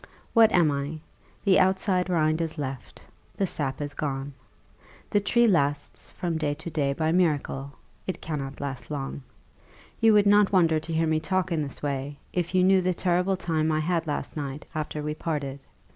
What am I? The outside rind is left the sap is gone. The tree lasts from day to day by miracle it cannot last long. You would not wonder to hear me talk in this way, if you knew the terrible time I had last night after we parted.